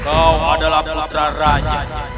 kau adalah putra raja